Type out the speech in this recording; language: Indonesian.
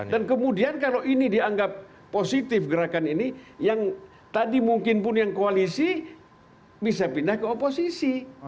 dan kemudian kalau ini dianggap positif gerakan ini yang tadi mungkin pun yang koalisi bisa pindah ke oposisi